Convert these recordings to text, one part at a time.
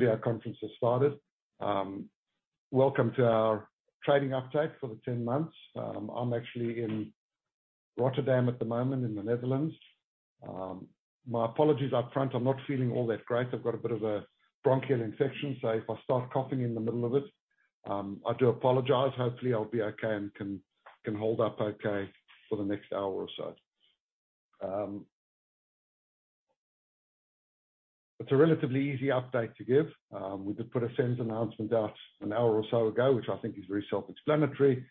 video conference has started. Welcome to our trading update for the 10 months. I'm actually in Rotterdam at the moment, in the Netherlands. My apologies up front, I'm not feeling all that great. I've got a bit of a bronchial infection, so if I start coughing in the middle of it, I do apologize. Hopefully, I'll be okay and can hold up okay for the next 1 hour or so. It's a relatively easy update to give. We did put a SENS announcement out 1 hour or so ago, which I think is very self-explanatory.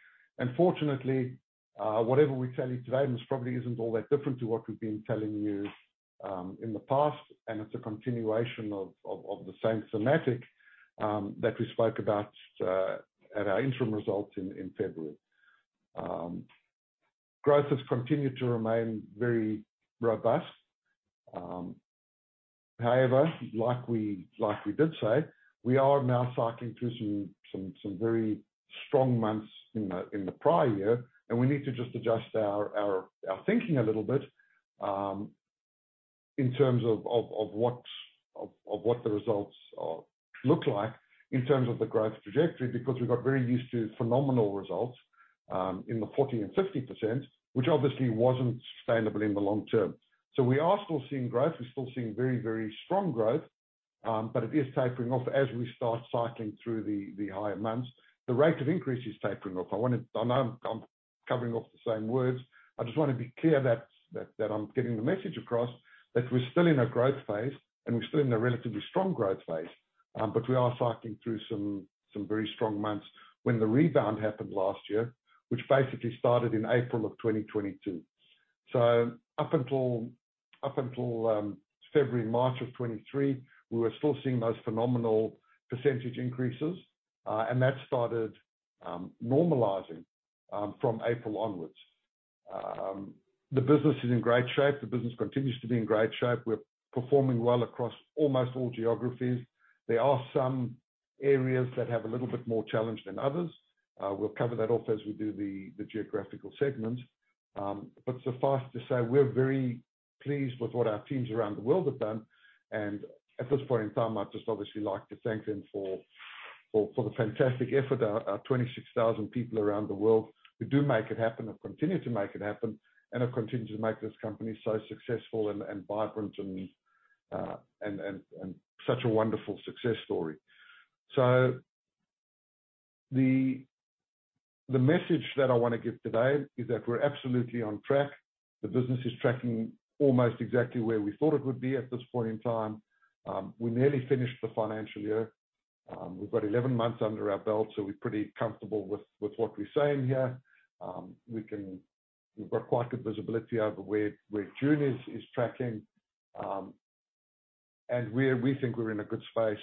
Fortunately, whatever we tell you today, this probably isn't all that different to what we've been telling you in the past, and it's a continuation of the same thematic that we spoke about at our interim results in February. Growth has continued to remain very robust. Like we did say, we are now cycling through some very strong months in the prior year, and we need to just adjust our thinking a little bit, in terms of what the results look like in terms of the growth trajectory. We got very used to phenomenal results, in the 40% and 50%, which obviously wasn't sustainable in the long term. We are still seeing growth. We're still seeing very, very strong growth, but it is tapering off as we start cycling through the higher months. The rate of increase is tapering off. I know I'm covering off the same words. I just want to be clear that I'm getting the message across, that we're still in a growth phase, and we're still in a relatively strong growth phase. we are cycling through some very strong months. When the rebound happened last year, which basically started in April of 2022. up until February, March of 23, we were still seeing those phenomenal percentage increases, and that started normalizing from April onwards. The business is in great shape. The business continues to be in great shape. We're performing well across almost all geographies. There are some areas that have a little bit more challenge than others. we'll cover that off as we do the geographical segments. So far, to say we're very pleased with what our teams around the world have done, and at this point in time, I'd just obviously like to thank them for the fantastic effort. Our 26,000 people around the world who do make it happen and continue to make it happen, and have continued to make this company so successful and vibrant, and such a wonderful success story. The message that I wanna give today is that we're absolutely on track. The business is tracking almost exactly where we thought it would be at this point in time. We nearly finished the financial year. We've got 11 months under our belt, so we're pretty comfortable with what we're saying here. We've got quite good visibility over where June is tracking, and we think we're in a good space.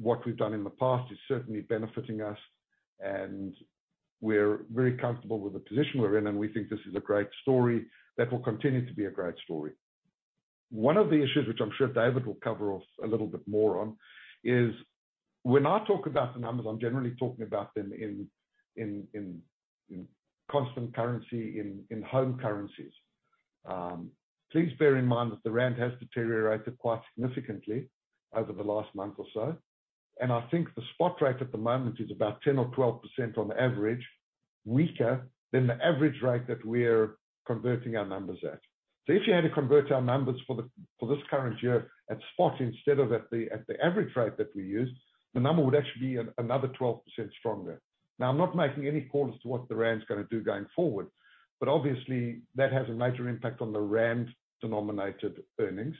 What we've done in the past is certainly benefiting us, and we're very comfortable with the position we're in, and we think this is a great story that will continue to be a great story. One of the issues, which I'm sure David will cover off a little bit more on, is when I talk about the numbers, I'm generally talking about them in constant currency, in home currencies. Please bear in mind that the rand has deteriorated quite significantly over the last month or so, and I think the spot rate at the moment is about 10% or 12% on average, weaker than the average rate that we're converting our numbers at. If you had to convert our numbers for this current year at spot instead of at the average rate that we use, the number would actually be another 12% stronger. I'm not making any call as to what the rand's gonna do going forward, but obviously, that has a major impact on the rand-denominated earnings.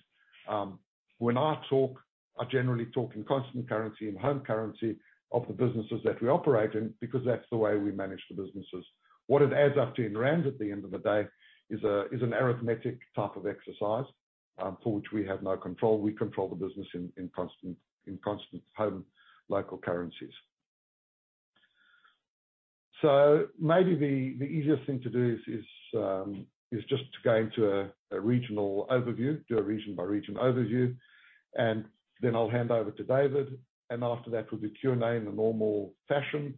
When I talk, I generally talk in constant currency and home currency of the businesses that we operate in, because that's the way we manage the businesses. What it adds up to in rand, at the end of the day, is an arithmetic type of exercise, for which we have no control. We control the business in constant home local currencies. Maybe the easiest thing to do is just to go into a regional overview, do a region-by-region overview, and then I'll hand over to David, and after that, we'll do Q&A in the normal fashion.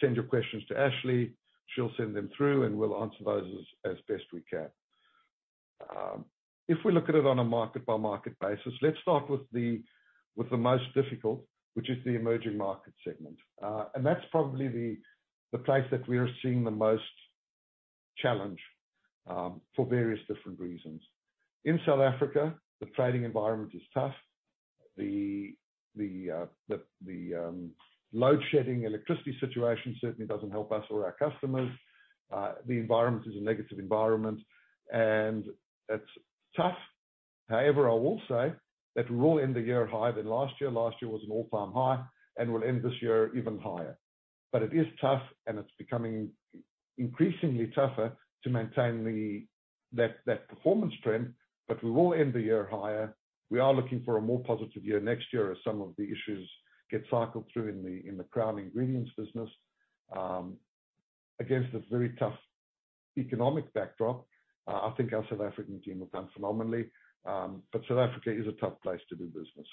Send your questions to Ashley, she'll send them through, and we'll answer those as best we can. If we look at it on a market-by-market basis, let's start with the most difficult, which is the emerging market segment. And that's probably the place that we are seeing the most challenge for various different reasons. In South Africa, the trading environment is tough. The load-shedding electricity situation certainly doesn't help us or our customers. The environment is a negative environment, and it's tough. However, I will say that we'll end the year higher than last year. Last year was an all-time high, and we'll end this year even higher. It is tough, and it's becoming increasingly tougher to maintain that performance trend, but we will end the year higher. We are looking for a more positive year next year, as some of the issues get cycled through in the Crown Ingredients business. Against this very tough economic backdrop, I think our South African team have done phenomenally, but South Africa is a tough place to do business.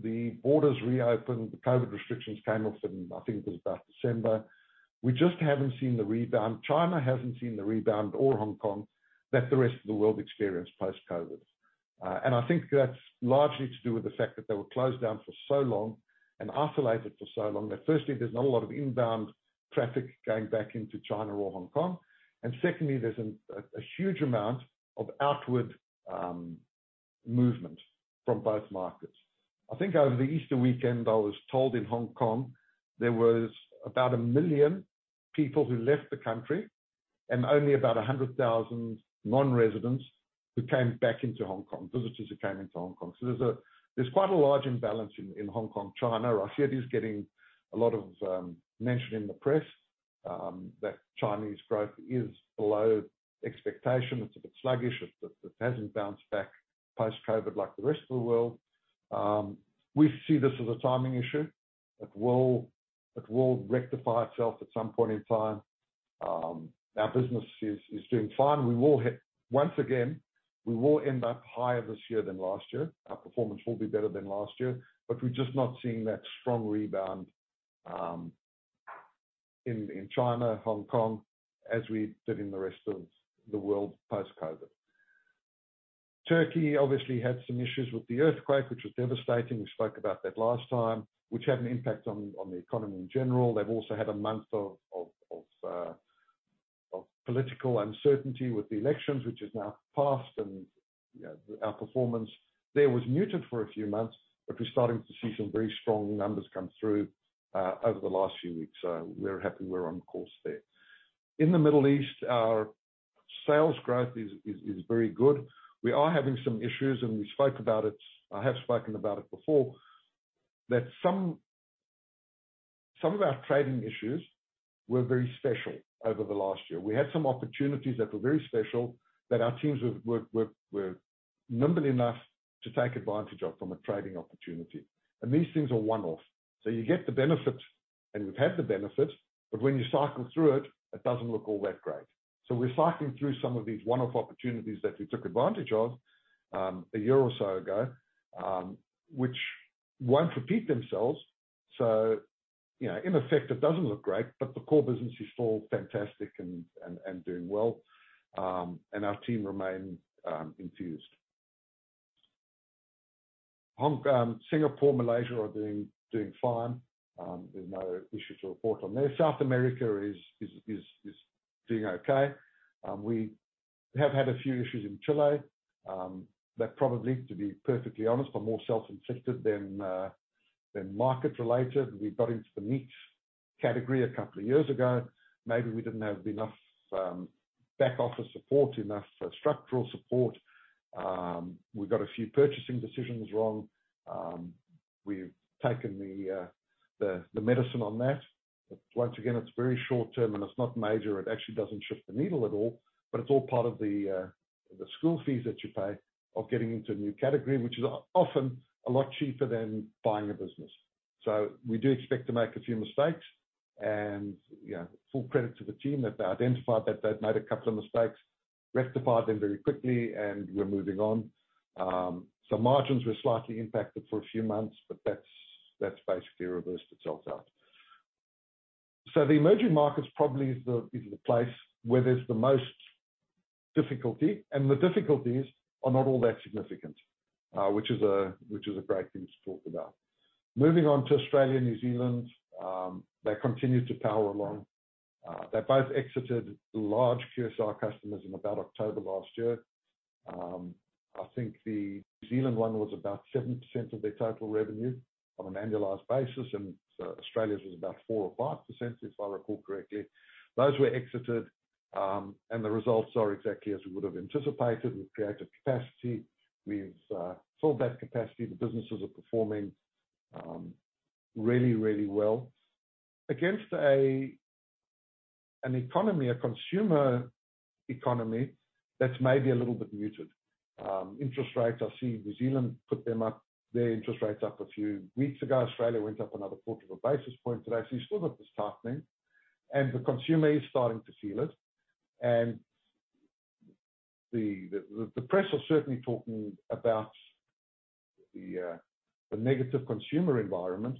The borders reopened, the COVID restrictions came off in, I think it was about December. We just haven't seen the rebound. China hasn't seen the rebound or Hong Kong, that the rest of the world experienced post-COVID. I think that's largely to do with the fact that they were closed down for so long and isolated for so long, that firstly, there's not a lot of inbound traffic going back into China or Hong Kong. Secondly, there's a huge amount of outward movement from both markets. I think over the Easter weekend, I was told in Hong Kong, there was about 1 million people who left the country, and only about 100,000 non-residents who came back into Hong Kong, visitors who came into Hong Kong. There's quite a large imbalance in Hong Kong, China. Russia is getting a lot of mention in the press that Chinese growth is below expectation. It's a bit sluggish. It hasn't bounced back post-COVID like the rest of the world. We see this as a timing issue. It will rectify itself at some point in time. Our business is doing fine. Once again, we will end up higher this year than last year. Our performance will be better than last year, but we're just not seeing that strong rebound in China, Hong Kong, as we did in the rest of the world, post-COVID. Turkey obviously had some issues with the earthquake, which was devastating. We spoke about that last time, which had an impact on the economy in general. They've also had a month of political uncertainty with the elections, which is now passed, and, you know, our performance there was muted for a few months, but we're starting to see some very strong numbers come through over the last few weeks. We're happy we're on course there. In the Middle East, our sales growth is very good. We are having some issues, and we spoke about it. I have spoken about it before, that some of our trading issues were very special over the last year. We had some opportunities that were very special, that our teams were nimble enough to take advantage of from a trading opportunity. These things are one-off, so you get the benefit, and we've had the benefit, but when you cycle through it doesn't look all that great. We're cycling through some of these one-off opportunities that we took advantage of a year or so ago, which won't repeat themselves. You know, in effect, it doesn't look great, but the core business is still fantastic and doing well, and our team remain enthused. Hong Kong, Singapore, Malaysia are doing fine. There's no issues to report on there. South America is doing okay. We have had a few issues in Chile that probably, to be perfectly honest, are more self-inflicted than market-related. We got into the meat category a couple of years ago. Maybe we didn't have enough back office support, enough structural support. We got a few purchasing decisions wrong. We've taken the medicine on that. Once again, it's very short term, and it's not major. It actually doesn't shift the needle at all, but it's all part of the school fees that you pay of getting into a new category, which is often a lot cheaper than buying a business. We do expect to make a few mistakes, and, you know, full credit to the team that they identified that they'd made a couple of mistakes, rectified them very quickly, and we're moving on. Margins were slightly impacted for a few months, but that's basically reversed itself out. The emerging markets probably is the place where there's the most difficulty, and the difficulties are not all that significant, which is a great thing to talk about. Moving on to Australia and New Zealand, they continue to power along. They both exited large QSR customers in about October last year. I think the New Zealand one was about 7% of their total revenue on an annualized basis, Australia's was about 4% or 5%, if I recall correctly. Those were exited, and the results are exactly as we would have anticipated. We've created capacity. We've sold that capacity. The businesses are performing really, really well. Against an economy, a consumer economy, that's maybe a little bit muted. Interest rates, I see New Zealand put them up, their interest rates up a few weeks ago. Australia went up another quarter of a basis point today, so you've still got this tightening, and the consumer is starting to feel it. The press are certainly talking about the negative consumer environment,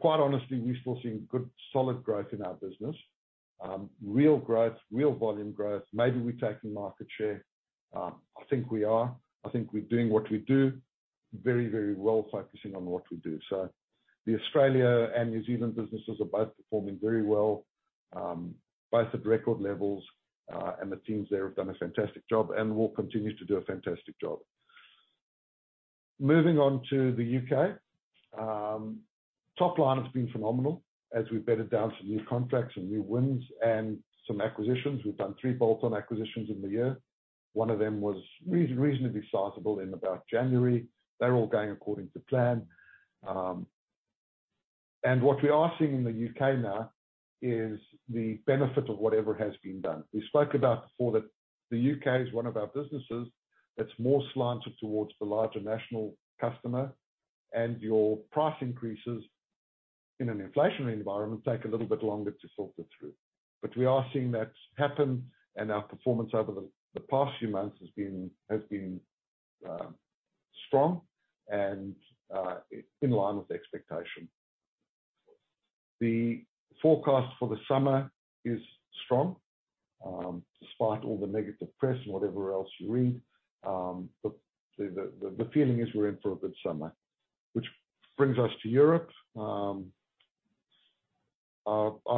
Quite honestly, we're still seeing good, solid growth in our business. Real growth, real volume growth. Maybe we're taking market share. I think we are. I think we're doing what we do very, very well, focusing on what we do. The Australia and New Zealand businesses are both performing very well, both at record levels, and the teams there have done a fantastic job and will continue to do a fantastic job. Moving on to the UK. Top line has been phenomenal as we've bedded down some new contracts and new wins and some acquisitions. We've done three bolt-on acquisitions in the year. One of them was reasonably sizable in about January. They're all going according to plan. What we are seeing in the UK now is the benefit of whatever has been done. We spoke about before that the UK is one of our businesses that's more slanted towards the larger national customer, your price increases. in an inflationary environment, take a little bit longer to sort it through. We are seeing that happen, and our performance over the past few months has been, has been strong and in line with expectation. The forecast for the summer is strong, despite all the negative press and whatever else you read, but the, the feeling is we're in for a good summer. Which brings us to Europe. I've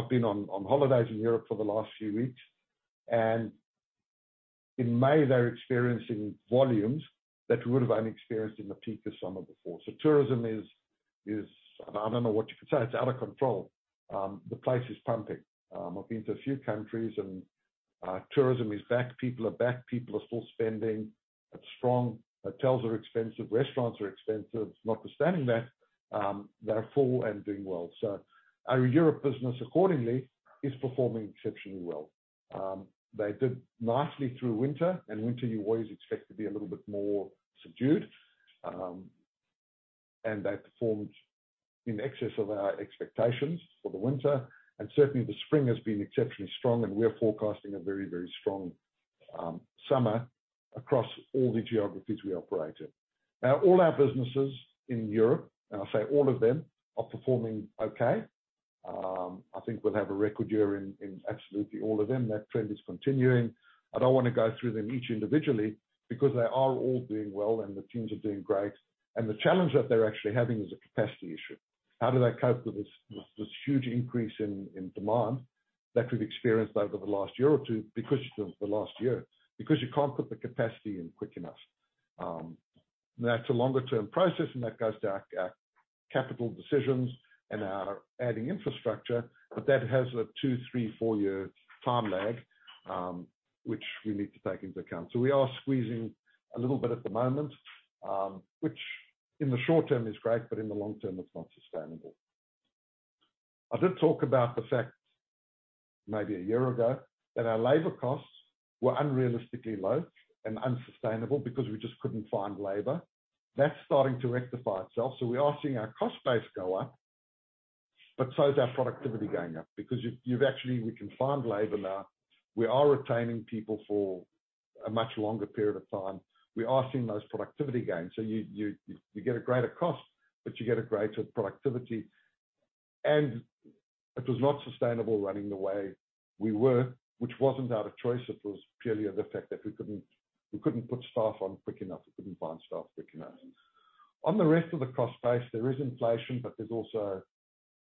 been on holidays in Europe for the last few weeks, and in May, they're experiencing volumes that we would have only experienced in the peak of summer before. Tourism is... I don't know what you could say. It's out of control. The place is pumping. I've been to a few countries, and tourism is back. People are back. People are still spending. It's strong. Hotels are expensive. Restaurants are expensive. Notwithstanding that, they are full and doing well. Our Europe business, accordingly, is performing exceptionally well. They did nicely through winter, and winter, you always expect to be a little bit more subdued. They performed in excess of our expectations for the winter, and certainly the spring has been exceptionally strong, and we are forecasting a very, very strong summer across all the geographies we operate in. All our businesses in Europe, and I say all of them, are performing okay. I think we'll have a record year in absolutely all of them. That trend is continuing. I don't wanna go through them each individually, because they are all doing well, and the teams are doing great. The challenge that they're actually having is a capacity issue. How do they cope with this huge increase in demand that we've experienced over the last year or two, because the last year? Because you can't put the capacity in quick enough. That's a longer-term process, and that goes to our capital decisions and our adding infrastructure, but that has a two, three, four-year time lag, which we need to take into account. We are squeezing a little bit at the moment, which in the short term is great, but in the long term, it's not sustainable. I did talk about the fact, maybe a year ago, that our labor costs were unrealistically low and unsustainable because we just couldn't find labor. That's starting to rectify itself, so we are seeing our cost base go up, but so is our productivity going up, because you've actually we can find labor now. We are retaining people for a much longer period of time. We are seeing those productivity gains, so you get a greater cost, but you get a greater productivity. It was not sustainable running the way we were, which wasn't out of choice, it was purely of the fact that we couldn't put staff on quick enough. We couldn't find staff quick enough. On the rest of the cost base, there is inflation, but there's also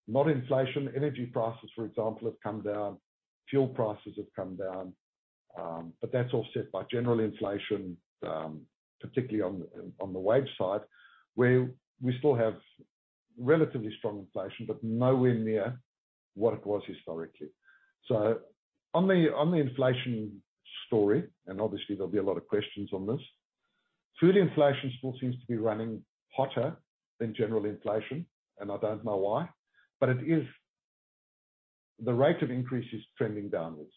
not inflation. Energy prices, for example, have come down. Fuel prices have come down, but that's all set by general inflation, particularly on the wage side, where we still have relatively strong inflation, but nowhere near what it was historically. On the, on the inflation story, and obviously there'll be a lot of questions on this, food inflation still seems to be running hotter than general inflation, and I don't know why, but it is. The rate of increase is trending downwards.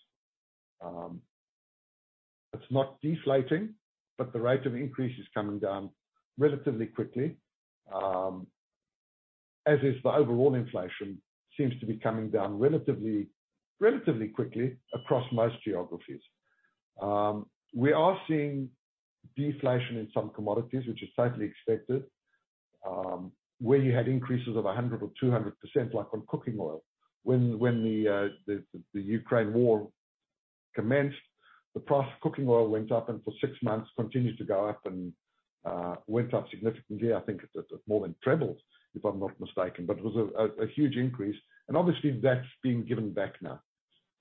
It's not deflating, but the rate of increase is coming down relatively quickly, as is the overall inflation seems to be coming down relatively quickly across most geographies. We are seeing deflation in some commodities, which is totally expected, where you had increases of 100% or 200%, like on cooking oil. When the Ukraine war commenced, the price of cooking oil went up, and for six months continued to go up and went up significantly. I think it more than tripled, if I'm not mistaken, but it was a huge increase, and obviously that's being given back now.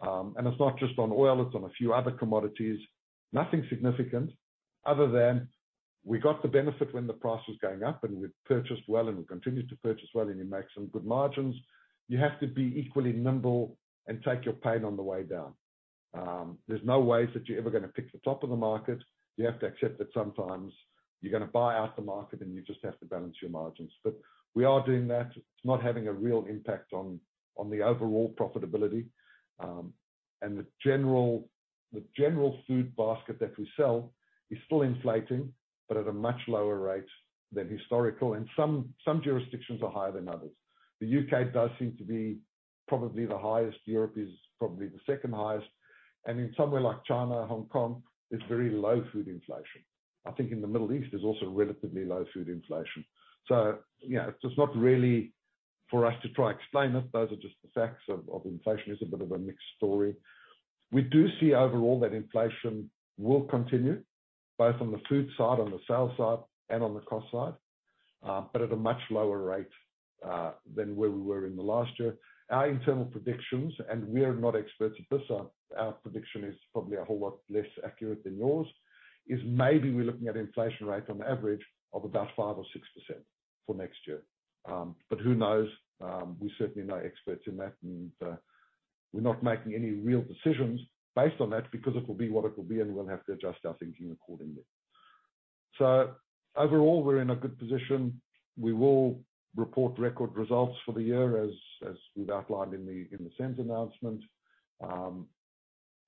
It's not just on oil, it's on a few other commodities. Nothing significant other than we got the benefit when the price was going up, and we purchased well, and we continued to purchase well, and you make some good margins. You have to be equally nimble and take your pain on the way down. There's no ways that you're ever gonna pick the top of the market. You have to accept that sometimes you're gonna buy out the market, and you just have to balance your margins. We are doing that. It's not having a real impact on the overall profitability. The general food basket that we sell is still inflating, but at a much lower rate than historical, and some jurisdictions are higher than others. The UK does seem to be probably the highest. Europe is probably the second highest, in somewhere like China, Hong Kong, there's very low food inflation. I think in the Middle East, there's also relatively low food inflation. Yeah, it's just not really for us to try explain it. Those are just the facts of inflation. It's a bit of a mixed story. We do see overall that inflation will continue, both on the food side, on the sales side, and on the cost side, but at a much lower rate than where we were in the last year. Our internal predictions, we are not experts at this, are... Our prediction is probably a whole lot less accurate than yours, is maybe we're looking at inflation rate on average of about 5% or 6% for next year. Who knows? We're certainly no experts in that, and we're not making any real decisions based on that, because it will be what it will be, and we'll have to adjust our thinking accordingly. Overall, we're in a good position. We will report record results for the year, as we've outlined in the sales announcement.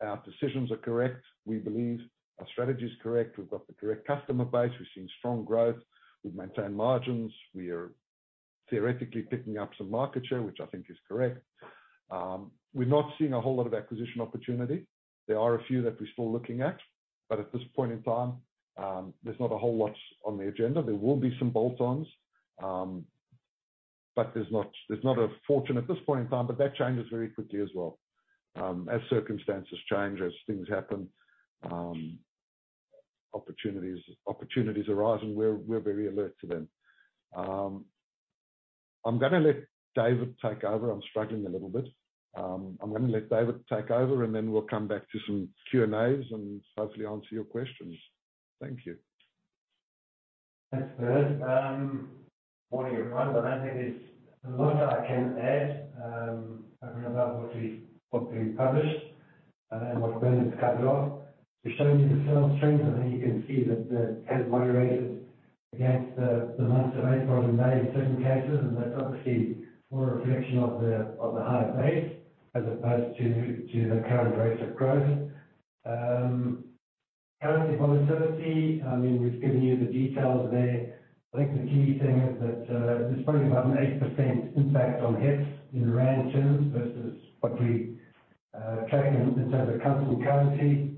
Our decisions are correct. We believe our strategy is correct. We've got the correct customer base. We've seen strong growth. We've maintained margins. We are theoretically picking up some market share, which I think is correct. We've not seen a whole lot of acquisition opportunity. There are a few that we're still looking at, but at this point in time, there's not a whole lot on the agenda. There will be some bolt-ons, but there's not a fortune at this point in time, but that changes very quickly as well. As circumstances change, as things happen, opportunities arise, and we're very alert to them. I'm gonna let David take over. I'm struggling a little bit. I'm gonna let David take over, and then we'll come back to some Q&As and hopefully answer your questions. Thank you. Thanks, Bernard. Morning, everyone. I don't think there's a lot I can add about what we published, and what Bernard has covered off. We showed you the sales strength. Then you can see that the has moderated against the months of April and May in certain cases, and that's obviously more a reflection of the higher base, as opposed to the current rates of growth. Currency volatility, I mean, we've given you the details there. I think the key thing is that there's probably about an 8% impact on hits in rand terms versus what we track in terms of constant currency.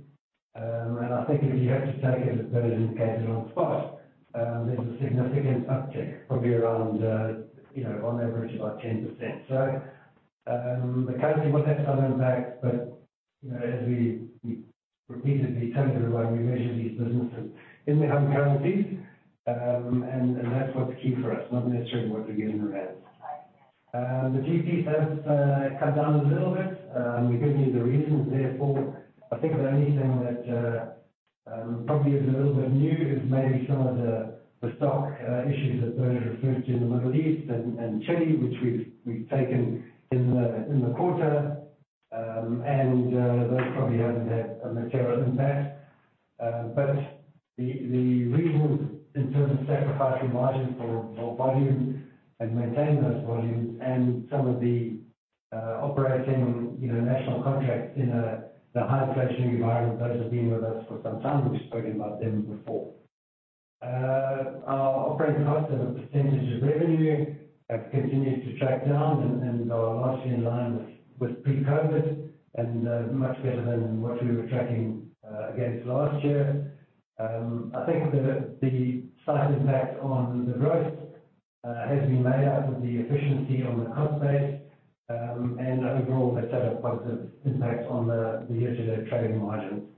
I think if you had to take it as Bernard indicated on spot, there's a significant uptick, probably around, you know, on average, about 10%. The currency will have some impact, but, you know, as we repeatedly tell everyone, we measure these businesses in the home currencies, and that's what's key for us, not necessarily what we're getting in the head. The GP has come down a little bit. We've given you the reasons therefore. I think the only thing that probably is a little bit new is maybe some of the stock issues that Bernard referred to in the Middle East and Chile, which we've taken in the quarter. Those probably haven't had a material impact. The reasons in terms of sacrificing margin for volume and maintaining those volumes and some of the operating, you know, national contracts in a high inflationary environment, those have been with us for some time. We've spoken about them before. Our operating costs as a percentage of revenue have continued to track down and are largely in line with pre-COVID, and much better than what we were tracking against last year. I think the slight impact on the growth has been made up of the efficiency on the cost base. And overall, that's had a positive impact on the year-to-date trading margins.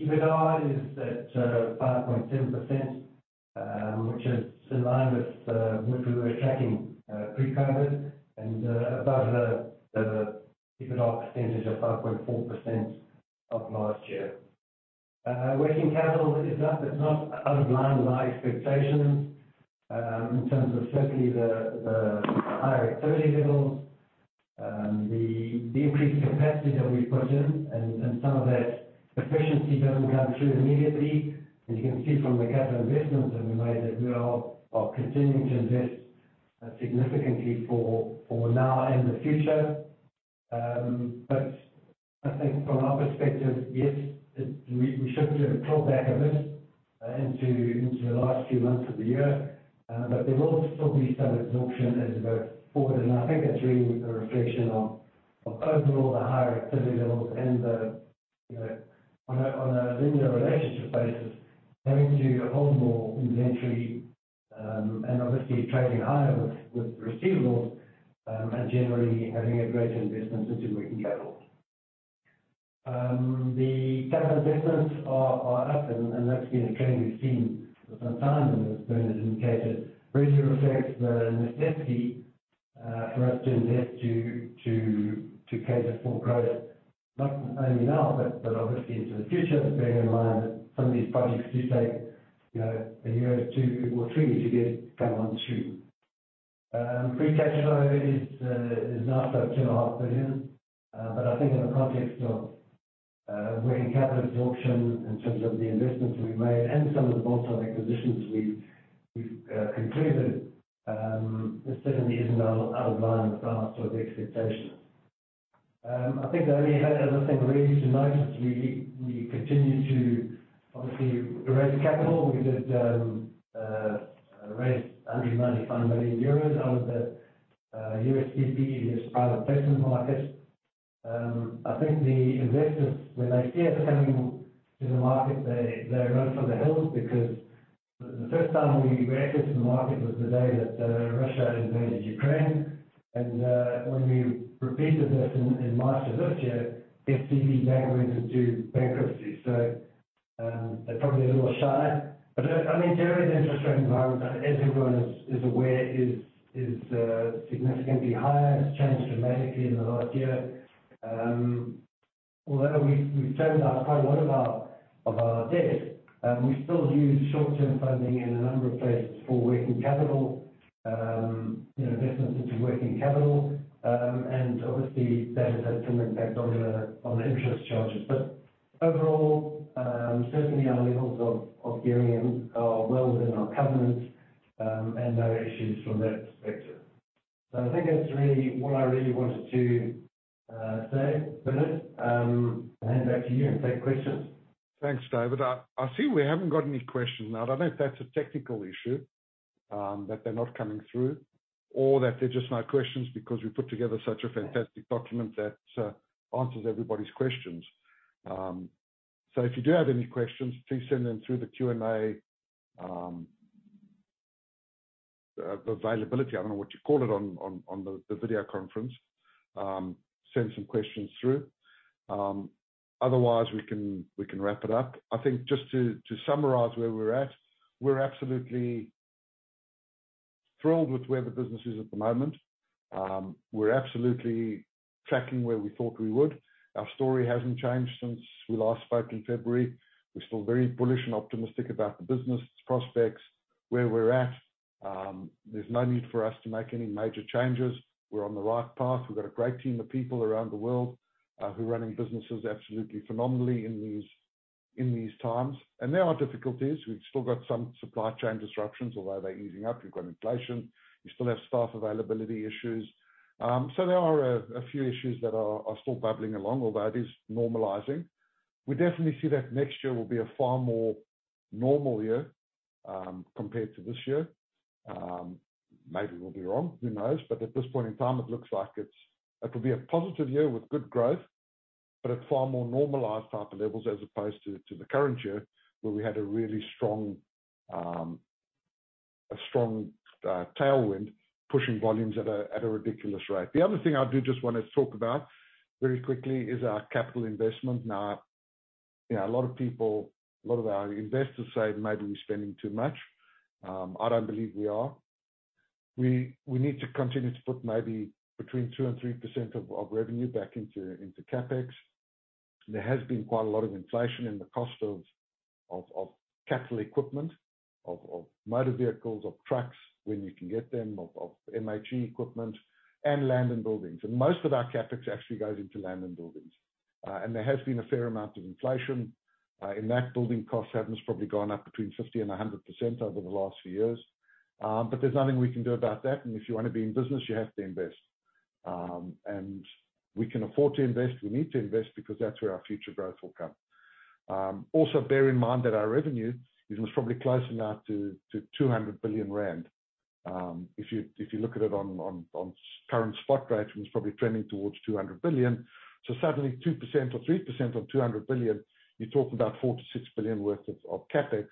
EBITDA is at 5.7%, which is in line with what we were tracking pre-COVID, and above the EBITDA percentage of 5.4% of last year. Working capital is up. It's not out of line with our expectations, in terms of certainly the higher activity levels, the increased capacity that we've put in and some of that efficiency doesn't come through immediately. As you can see from the capital investments that we made, that we are continuing to invest significantly for now and the future. I think from our perspective, yes, it, we should see a pull back a bit into the last few months of the year. There will still be some absorption as we go forward, and I think that's really a reflection of overall the higher activity levels and the, you know, on a, on a linear relationship basis, having to hold more inventory, and obviously trading higher with receivables, and generally having a greater investment into working capital. The capital investments are up, and that's been a trend we've seen for some time, and as Bernard has indicated, really reflects the necessity for us to invest to cater for growth, not only now, but obviously into the future, bearing in mind that some of these projects do take, you know, a year or two or three to get going on the street. Free cash flow is now at two and a half billion ZAR. I think in the context of working capital absorption, in terms of the investments we made and some of the bolt-on acquisitions we've completed, this certainly isn't out of line with our sort of expectations. I think the only other thing really to note is we continue to obviously raise capital. We did raise 195 million euros out of the USPP private placement market. I think the investors, when they see us coming to the market, they run for the hills, because the first time we went into the market was the day that Russia invaded Ukraine. When we repeated this in March of this year, SVB bank went into bankruptcy. They're probably a little shy. I mean, generally, the interest rate environment, as everyone is aware, is significantly higher. It's changed dramatically in the last year. Although we've turned out quite a lot of our debt, we still use short-term funding in a number of places for working capital, you know, investments into working capital. And obviously, that has had some impact on the interest charges. Overall, certainly our levels of gearing are well within our covenants, and no issues from that perspective. I think that's really what I really wanted to say. Bernard, I'll hand back to you and take questions. Thanks, David. I see we haven't got any questions. I don't know if that's a technical issue that they're not coming through, or that there are just no questions because we put together such a fantastic document that answers everybody's questions. If you do have any questions, please send them through the Q&A, the availability, I don't know what you call it, on the video conference. Send some questions through. Otherwise, we can wrap it up. I think just to summarize where we're at, we're absolutely thrilled with where the business is at the moment. We're absolutely tracking where we thought we would. Our story hasn't changed since we last spoke in February. We're still very bullish and optimistic about the business prospects, where we're at. There's no need for us to make any major changes. We're on the right path. We've got a great team of people around the world who are running businesses absolutely phenomenally in these times. There are difficulties. We've still got some supply chain disruptions, although they're easing up. We've got inflation. We still have staff availability issues. There are a few issues that are still bubbling along, although that is normalizing. We definitely see that next year will be a far more normal year compared to this year. Maybe we'll be wrong, who knows? At this point in time, it looks like it will be a positive year with good growth, but at far more normalized type of levels, as opposed to the current year, where we had a really strong tailwind, pushing volumes at a ridiculous rate. The other thing I do just wanna talk about very quickly is our capital investment. Now, you know, a lot of people, a lot of our investors say maybe we're spending too much. I don't believe we are. We need to continue to put maybe between 2% and 3% of revenue back into CapEx. There has been quite a lot of inflation in the cost of capital equipment, of motor vehicles, of trucks, when you can get them, of M&E equipment, and land and buildings. Most of our CapEx actually goes into land and buildings. There has been a fair amount of inflation in that. Building costs have probably gone up between 50%-100% over the last few years. There's nothing we can do about that, and if you wanna be in business, you have to invest. We can afford to invest. We need to invest because that's where our future growth will come. Also, bear in mind that our revenue is most probably close enough to 200 billion rand. If you look at it on current spot rate, it's probably trending towards 200 billion ZAR. Suddenly, 2% or 3% on 200 billion, you're talking about 4 billion-6 billion worth of CapEx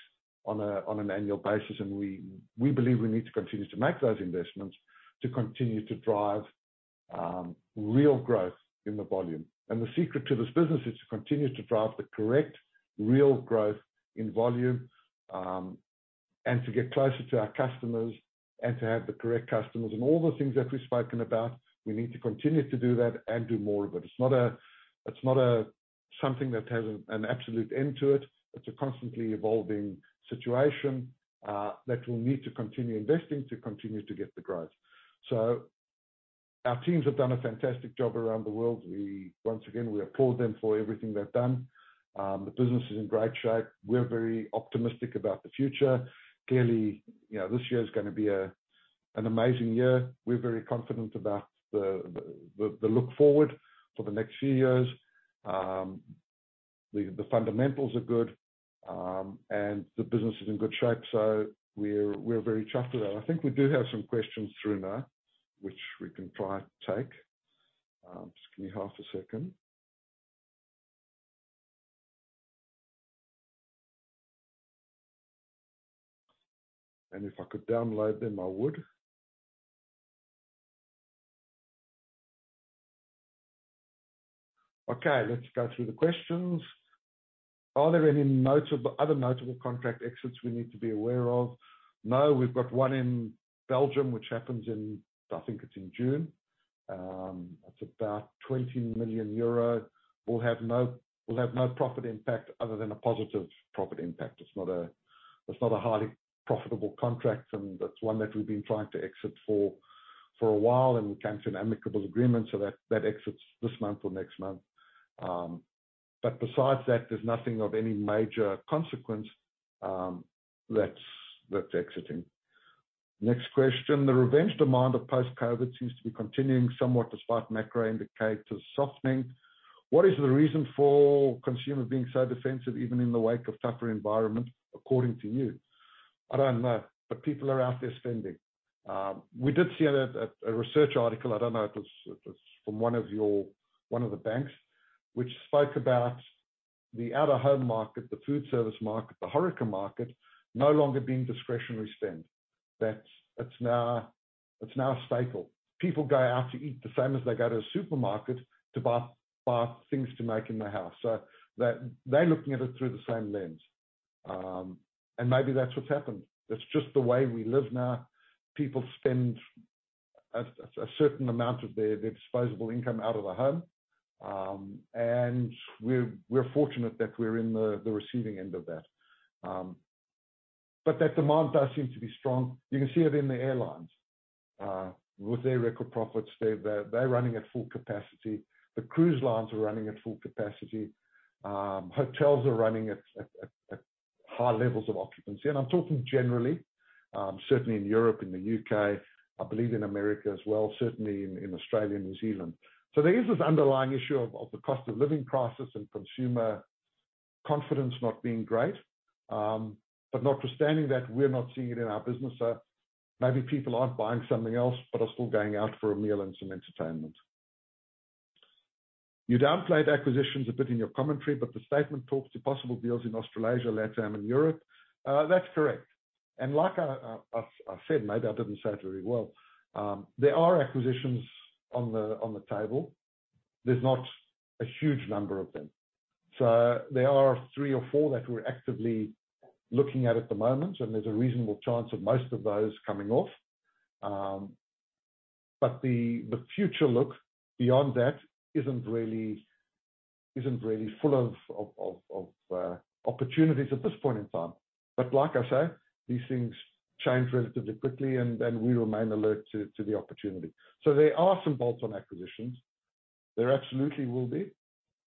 on an annual basis, we believe we need to continue to make those investments to continue to drive real growth in the volume. The secret to this business is to continue to drive the correct real growth in volume, and to get closer to our customers, and to have the correct customers. All the things that we've spoken about, we need to continue to do that and do more of it. It's not a something that has an absolute end to it. It's a constantly evolving situation that we'll need to continue investing to continue to get the growth. Our teams have done a fantastic job around the world. We, once again, we applaud them for everything they've done. The business is in great shape. We're very optimistic about the future. Clearly, you know, this year is gonna be an amazing year. We're very confident about the look forward for the next few years. The fundamentals are good, and the business is in good shape, so we're very chuffed with that. I think we do have some questions through now, which we can try to take. Just give me half a second. If I could download them, I would. Okay, let's go through the questions. Are there any other notable contract exits we need to be aware of? No, we've got one in Belgium, which happens in, I think it's in June. That's about 20 million euro. We'll have no profit impact other than a positive profit impact. It's not a highly profitable contract. That's one that we've been trying to exit for a while. We came to an amicable agreement. That exits this month or next month. Besides that, there's nothing of any major consequence that's exiting. Next question: The revenge demand of post-COVID seems to be continuing somewhat, despite macro indicators softening. What is the reason for consumers being so defensive, even in the wake of tougher environments, according to you? I don't know. People are out there spending. We did see a research article, I don't know, it was from one of your... One of the banks, which spoke about the out-of-home market, the food service market, the HoReCa market, no longer being discretionary spend. It's now a staple. People go out to eat the same as they go to a supermarket to buy things to make in the house. They're looking at it through the same lens. Maybe that's what's happened. That's just the way we live now. People spend a certain amount of their disposable income out of the home. We're fortunate that we're in the receiving end of that. That demand does seem to be strong. You can see it in the airlines with their record profits. They're running at full capacity. The cruise lines are running at full capacity. Hotels are running at... high levels of occupancy, I'm talking generally, certainly in Europe, in the UK, I believe in America as well, certainly in Australia and New Zealand. There is this underlying issue of the cost of living crisis and consumer confidence not being great. Notwithstanding that, we're not seeing it in our business. Maybe people aren't buying something else, but are still going out for a meal and some entertainment. You downplayed acquisitions a bit in your commentary, but the statement talks to possible deals in Australasia, Latam, and Europe. That's correct. Like I said, maybe I didn't say it very well, there are acquisitions on the table. There's not a huge number of them. There are three or four that we're actively looking at at the moment, and there's a reasonable chance of most of those coming off. The future look beyond that isn't really full of opportunities at this point in time. Like I say, these things change relatively quickly, and we remain alert to the opportunity. There are some bolts on acquisitions. There absolutely will be,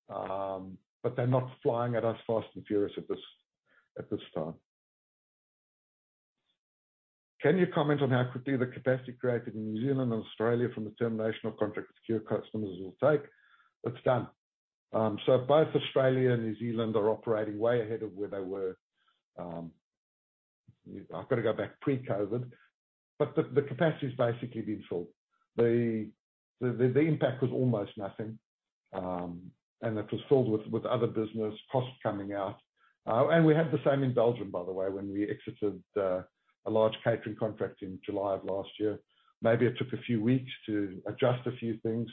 they're not flying at us fast and furious at this time. Can you comment on how quickly the capacity created in New Zealand and Australia from the termination of contract with secure customers will take? It's done. Both Australia and New Zealand are operating way ahead of where they were. I've got to go back pre-COVID, but the capacity has basically been filled. The impact was almost nothing, and it was filled with other business costs coming out. We had the same in Belgium, by the way, when we exited a large catering contract in July of last year. Maybe it took a few weeks to adjust a few things.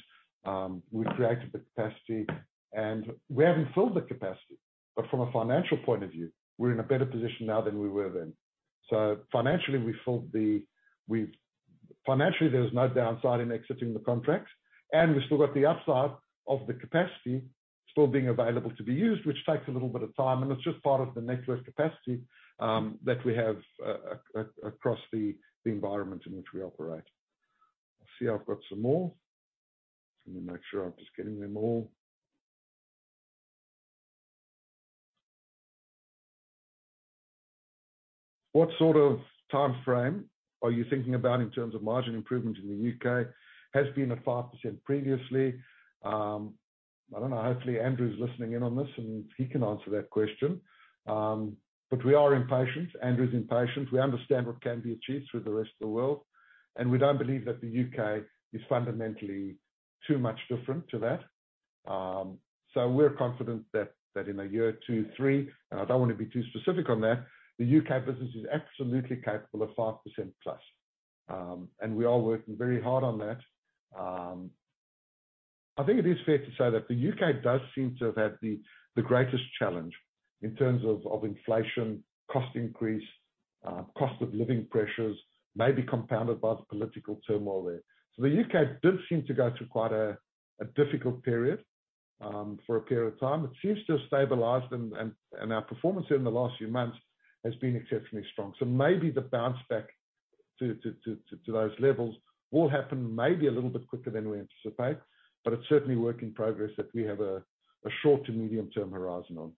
We've created the capacity and we haven't filled the capacity, but from a financial point of view, we're in a better position now than we were then. Financially, there was no downside in exiting the contracts, and we've still got the upside of the capacity still being available to be used, which takes a little bit of time, and it's just part of the network capacity that we have across the environment in which we operate. I see I've got some more. Let me make sure I'm just getting them all. What sort of timeframe are you thinking about in terms of margin improvement in the U.K.? Has been at 5% previously. I don't know. Hopefully, Andrew is listening in on this, and he can answer that question. We are impatient. Andrew is impatient. We understand what can be achieved through the rest of the world, and we don't believe that the U.K. is fundamentally too much different to that. We're confident that, in one year, two, three, and I don't want to be too specific on that, the U.K. business is absolutely capable of 5%+. And we are working very hard on that. I think it is fair to say that the UK does seem to have had the greatest challenge in terms of inflation, cost increase, cost of living pressures, maybe compounded by the political turmoil there. The UK did seem to go through quite a difficult period for a period of time. It seems to have stabilized and our performance in the last few months has been exceptionally strong. Maybe the bounce back to those levels will happen maybe a little bit quicker than we anticipate, but it's certainly a work in progress that we have a short to medium-term horizon on.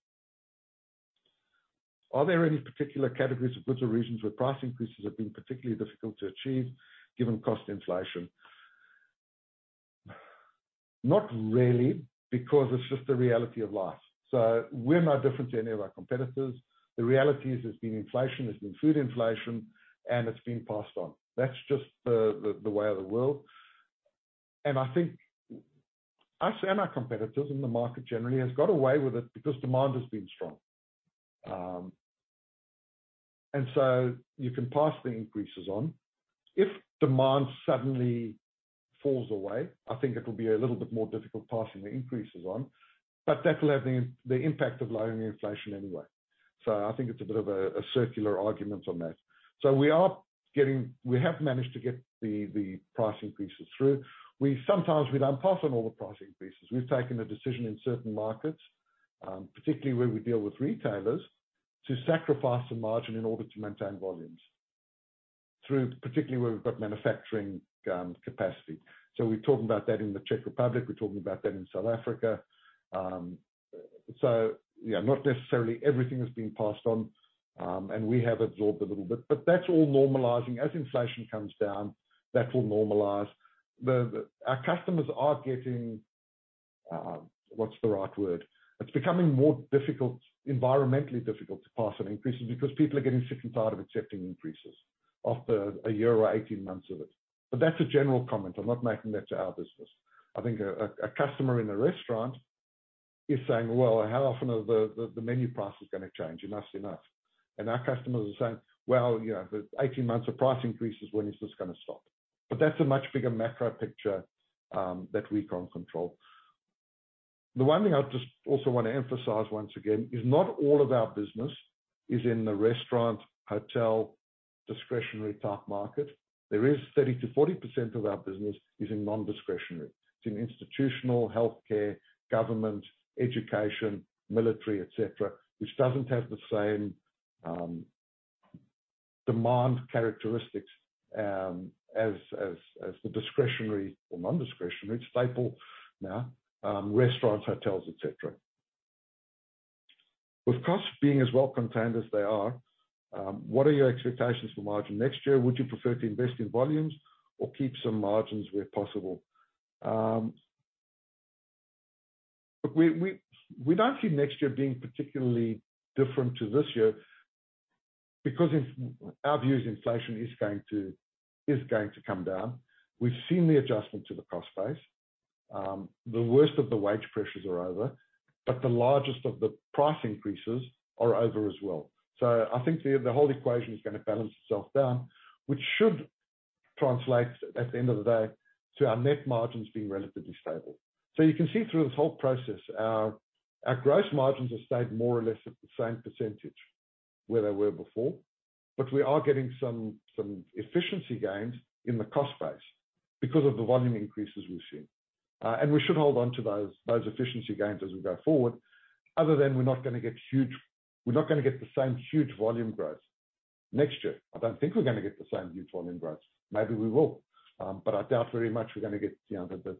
Are there any particular categories of goods or regions where price increases have been particularly difficult to achieve given cost inflation? Not really, because it's just the reality of life. We're no different to any of our competitors. The reality is, there's been inflation, there's been food inflation, and it's been passed on. That's just the way of the world, and I think us and our competitors, and the market generally, has got away with it because demand has been strong. You can pass the increases on. If demand suddenly falls away, I think it will be a little bit more difficult passing the increases on, but that will have the impact of lowering inflation anyway. I think it's a bit of a circular argument on that. We have managed to get the price increases through. Sometimes we don't pass on all the price increases. We've taken a decision in certain markets, particularly where we deal with retailers, to sacrifice the margin in order to maintain volumes. Through, particularly where we've got manufacturing capacity. We've talked about that in the Czech Republic, we're talking about that in South Africa. Yeah, not necessarily everything has been passed on, and we have absorbed a little bit, but that's all normalizing. As inflation comes down, that will normalize. Our customers are getting, what's the right word? It's becoming more difficult, environmentally difficult, to pass on increases because people are getting sick and tired of accepting increases after 1 year or 18 months of it. That's a general comment. I'm not making that to our business. I think a customer in a restaurant is saying: "Well, how often are the menu prices gonna change? Enough's enough." Our customers are saying: "Well, you know, 18 months of price increases, when is this gonna stop?" That's a much bigger macro picture that we can't control. The one thing I just also want to emphasize once again, is not all of our business is in the restaurant, hotel, discretionary type market. There is 30%-40% of our business is in non-discretionary. It's in institutional, healthcare, government, education, military, et cetera, which doesn't have the same demand characteristics as the discretionary or non-discretionary staple now, restaurants, hotels, et cetera. With costs being as well-contained as they are, what are your expectations for margin next year? Would you prefer to invest in volumes or keep some margins where possible? Look, we don't see next year being particularly different to this year, because in our view, inflation is going to come down. We've seen the adjustment to the cost base. The worst of the wage pressures are over, but the largest of the price increases are over as well. I think the whole equation is gonna balance itself down, which should translate, at the end of the day, to our net margins being relatively stable. You can see through this whole process, our gross margins have stayed more or less at the same percentage where they were before, but we are getting some efficiency gains in the cost base because of the volume increases we've seen. We should hold on to those efficiency gains as we go forward, other than we're not gonna get the same huge volume growth next year. I don't think we're gonna get the same huge volume growth. Maybe we will, but I doubt very much we're gonna get, you know, the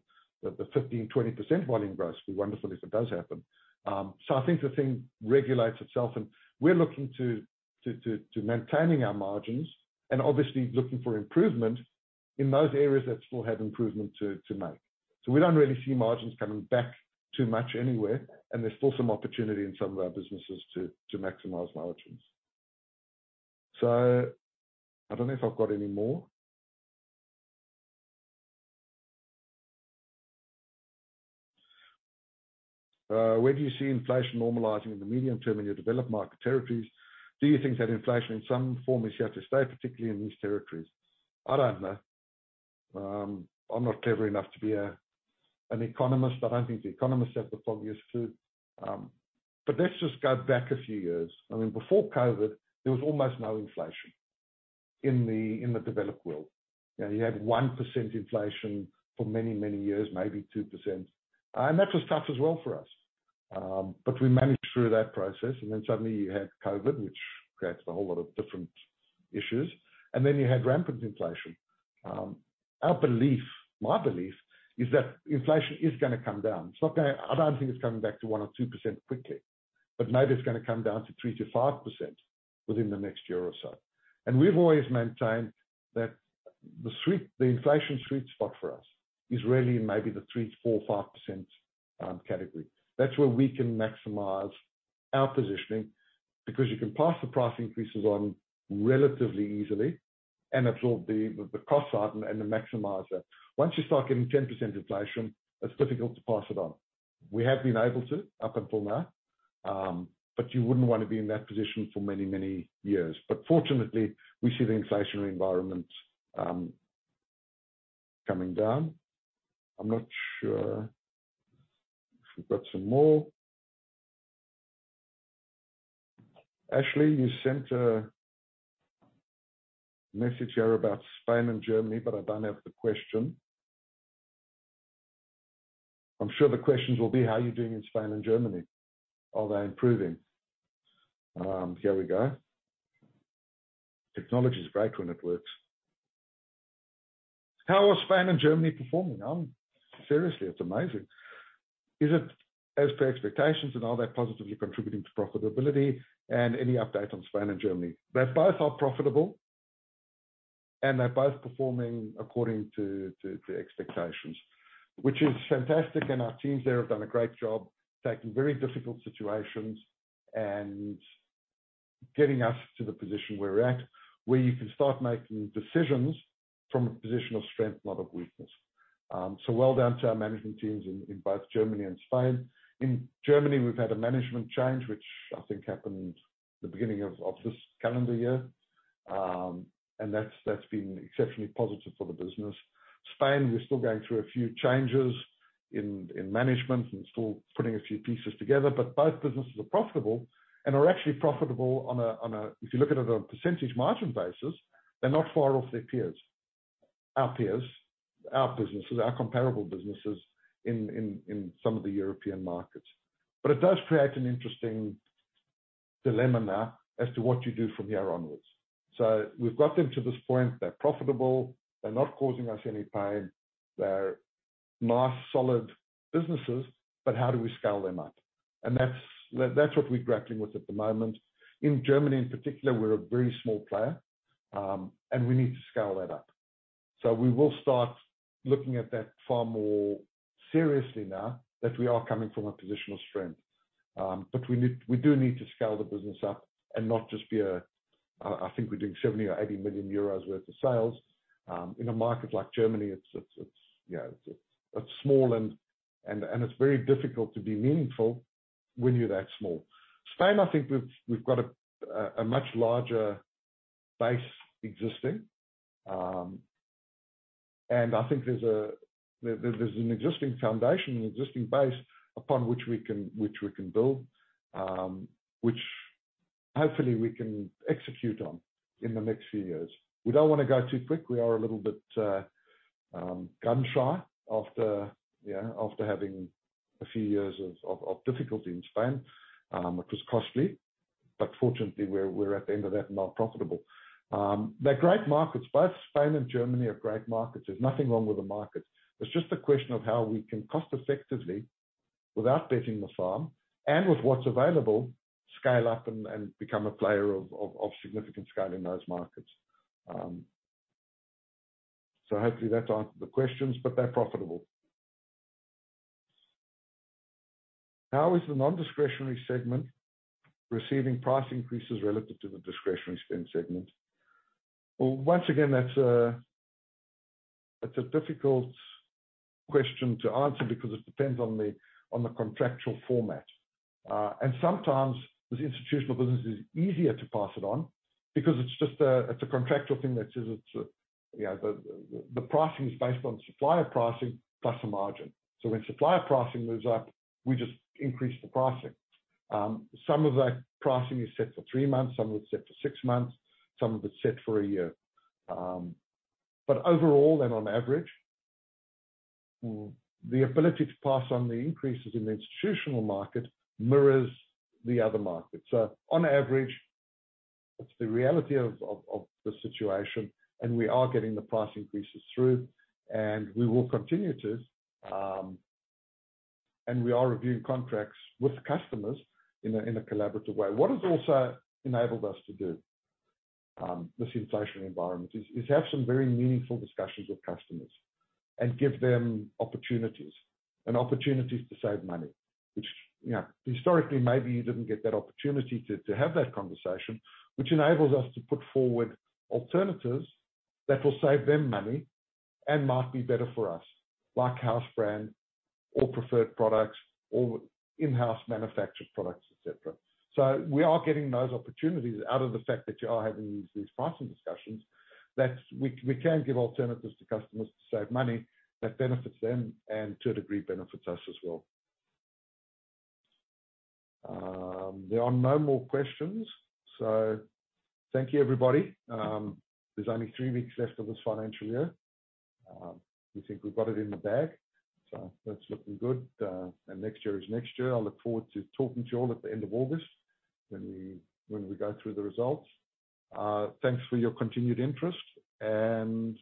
15%-20% volume growth. Be wonderful if it does happen. I think the thing regulates itself, and we're looking to maintaining our margins and obviously looking for improvement in those areas that still have improvement to make. We don't really see margins coming back too much anywhere, and there's still some opportunity in some of our businesses to maximize margins. I don't know if I've got any more. Where do you see inflation normalizing in the medium term in your developed market territories? Do you think that inflation in some form is here to stay, particularly in these territories? I don't know. I'm not clever enough to be an economist. I don't think the economists have the foggiest clue, let's just go back a few years. I mean, before COVID, there was almost no inflation in the, in the developed world. You know, you had 1% inflation for many, many years, maybe 2%, and that was tough as well for us. We managed through that process, suddenly you had COVID, which creates a whole lot of different issues, then you had rampant inflation. Our belief, my belief, is that inflation is gonna come down. It's not gonna... I don't think it's coming back to 1% or 2% quickly, but maybe it's gonna come down to 3%-5% within the next year or so. We've always maintained that the inflation sweet spot for us is really in maybe the 3%, 4%, 5% category. That's where we can maximize our positioning, because you can pass the price increases on relatively easily and absorb the cost side and then maximize that. Once you start getting 10% inflation, it's difficult to pass it on. We have been able to, up until now, but you wouldn't want to be in that position for many, many years. Fortunately, we see the inflationary environment coming down. I'm not sure if we've got some more. Ashley, you sent a message here about Spain and Germany. I don't have the question. I'm sure the questions will be, how are you doing in Spain and Germany? Are they improving? Here we go. Technology is great when it works. How are Spain and Germany performing? Seriously, it's amazing. Is it as per expectations, and are they positively contributing to profitability, and any update on Spain and Germany? They both are profitable. They're both performing according to expectations, which is fantastic. Our teams there have done a great job taking very difficult situations and getting us to the position we're at, where you can start making decisions from a position of strength, not of weakness. Well done to our management teams in both Germany and Spain. In Germany, we've had a management change, which I think happened the beginning of this calendar year. That's been exceptionally positive for the business. Spain, we're still going through a few changes in management and still putting a few pieces together, but both businesses are profitable and are actually profitable on a if you look at it on a percentage margin basis, they're not far off their peers, our peers, our businesses, our comparable businesses in some of the European markets. It does create an interesting dilemma now as to what you do from here onwards. We've got them to this point. They're profitable. They're not causing us any pain. They're nice, solid businesses, but how do we scale them up? That's what we're grappling with at the moment. In Germany, in particular, we're a very small player, and we need to scale that up. We will start looking at that far more seriously now that we are coming from a position of strength. We do need to scale the business up and not just be a. I think we're doing 70 million euros or 80 million euros worth of sales. In a market like Germany, it's, you know, it's small and it's very difficult to be meaningful when you're that small. Spain, I think, we've got a much larger base existing, and I think there's an existing foundation, an existing base upon which we can build, which hopefully we can execute on in the next few years. We don't want to go too quick. We are a little bit gun shy after having a few years of difficulty in Spain, which was costly, but fortunately, we're at the end of that, and now profitable. They're great markets. Both Spain and Germany are great markets. There's nothing wrong with the markets. It's just a question of how we can cost effectively, without betting the farm, and with what's available, scale up and become a player of significant scale in those markets. Hopefully that answered the questions, but they're profitable. How is the non-discretionary segment receiving price increases relative to the discretionary spend segment? Well, once again, that's a difficult question to answer because it depends on the contractual format. Sometimes the institutional business is easier to pass it on, because it's just it's a contractual thing that says it's, you know, the pricing is based on supplier pricing plus a margin. When supplier pricing moves up, we just increase the pricing. Some of that pricing is set for three months, some of it's set for six months, some of it's set for a year. Overall, and on average, the ability to pass on the increases in the institutional market mirrors the other market. On average, that's the reality of the situation, and we are getting the price increases through, and we will continue to. We are reviewing contracts with the customers in a collaborative way. What has also enabled us to do, this inflationary environment is have some very meaningful discussions with customers, and give them opportunities, and opportunities to save money, which, you know, historically, maybe you didn't get that opportunity to have that conversation, which enables us to put forward alternatives that will save them money and might be better for us, like house brand or preferred products or in-house manufactured products, et cetera. We are getting those opportunities out of the fact that you are having these pricing discussions. That's. We can give alternatives to customers to save money that benefits them and to a degree, benefits us as well. There are no more questions, thank you, everybody. There's only three weeks left of this financial year. We think we've got it in the bag, that's looking good. Next year is next year. I look forward to talking to you all at the end of August when we go through the results. Thanks for your continued interest, and,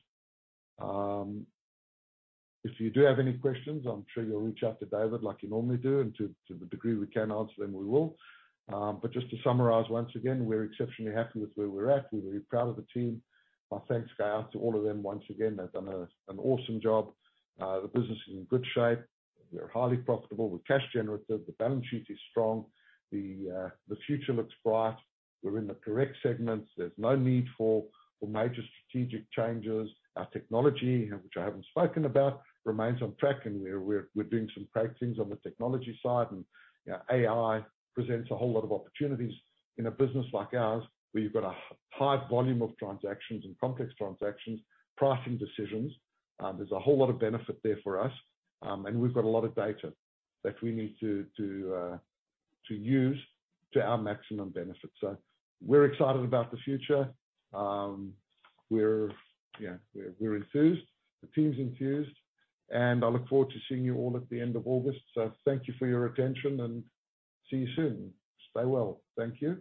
if you do have any questions, I'm sure you'll reach out to David, like you normally do, and to the degree we can answer them, we will. Just to summarize, once again, we're exceptionally happy with where we're at. We're very proud of the team. My thanks go out to all of them once again. They've done an awesome job. The business is in good shape. We're highly profitable. We're cash generative. The balance sheet is strong. The future looks bright. We're in the correct segments. There's no need for major strategic changes. Our technology, which I haven't spoken about, remains on track. We're doing some great things on the technology side. You know, AI presents a whole lot of opportunities in a business like ours, where you've got a high volume of transactions and complex transactions, pricing decisions. There's a whole lot of benefit there for us. We've got a lot of data that we need to use to our maximum benefit. We're excited about the future. We're yeah, we're enthused. The team's enthused. I look forward to seeing you all at the end of August. Thank you for your attention, and see you soon. Stay well. Thank you.